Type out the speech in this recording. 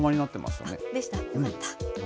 よかった。